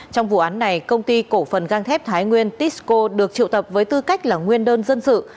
trong vụ án này công ty cổ phần gang thép thái nguyên tisco được triệu tập với tư cách là nguyên đơn dân sự